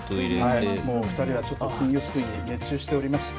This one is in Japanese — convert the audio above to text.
もう２人はちょっと、金魚すくいに熱中しております。